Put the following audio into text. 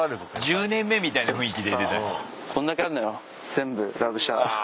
１０年目みたいな雰囲気出てた。